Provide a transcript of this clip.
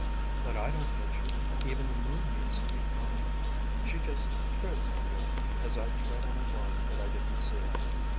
But I don't hate you. Even the moon means to be kind. She just treads on you as I'd tread on a worm that I didn't see.